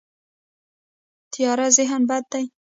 تیاره ذهن بد دی.